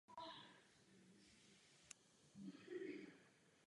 Dokončena byla o dva roky později.